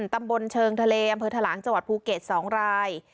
ตำบลเชิงทะเลอำเภอถลางจภูเกษ๒ราย